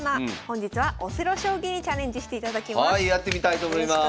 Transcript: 本日はオセロ将棋にチャレンジしていただきます。